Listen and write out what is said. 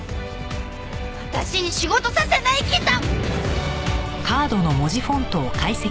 私に仕事させない気だ！